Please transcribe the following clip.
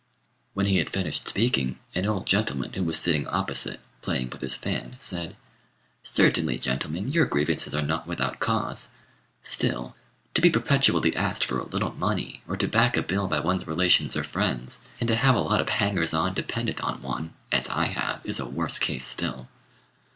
When he had finished speaking, an old gentleman, who was sitting opposite, playing with his fan, said "Certainly, gentlemen, your grievances are not without cause; still, to be perpetually asked for a little money, or to back a bill, by one's relations or friends, and to have a lot of hangers on dependent on one, as I have, is a worse case still."